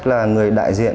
là người đại diện